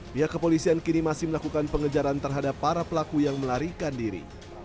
pihak kepolisian kini masih melakukan pengejaran terhadap para pelaku yang melarikan diri